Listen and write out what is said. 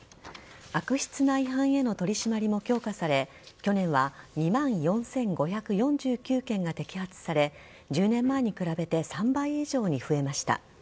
悪質な違反への取り締まりも強化され去年は２万４５４９件が摘発され１０年前に比べて３倍以上に増えました。